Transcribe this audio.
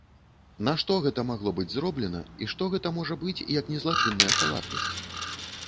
Нашто гэта магло быць зроблена, і што гэта можа быць, як не злачынная халатнасць?